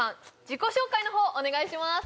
自己紹介の方お願いします